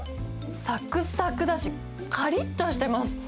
さくさくだし、かりっとしています。